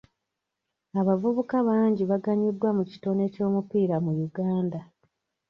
Abavubuka bangi baganyuddwa mu kitone ky'omupiira mu Uganda.